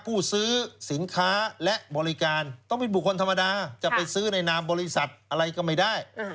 ผู้ซื้อสินค้าและบริการต้องเป็นบุคคลธรรมดาจะไปซื้อในนามบริษัทอะไรก็ไม่ได้